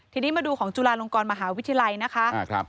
ทีนี้มาดูของจุฬาลงกรมหาวิทยาลัยนะคะ